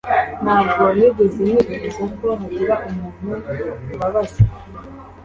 Ntabwo nigeze nifuza ko hagira umuntu ubabaza